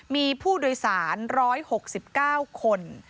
มีผู้โดยสาร๑๖๙คน